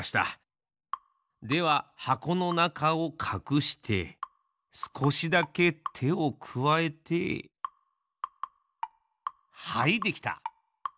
でははこのなかをかくしてすこしだけてをくわえてはいできた！